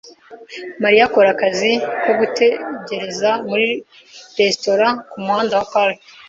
Mariya akora akazi ko gutegereza muri resitora kumuhanda wa Park .